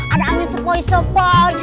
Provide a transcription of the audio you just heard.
ada angin sepoi sepoi